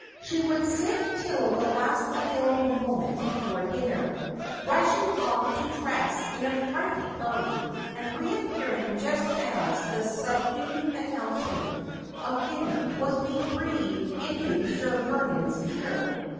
She would sit till the last available moment before dinner, rushing ofE to dress in a frantic hurry, and reappearing just as the subdued announcement of diuner was being breathed into Sir Vernon's ear.